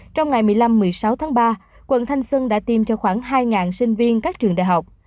trong ngày một mươi năm một mươi sáu tháng ba quận thanh xuân đã tiêm cho khoảng hai sinh viên các trường đại học